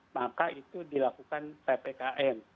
maka itu dilakukan ppkm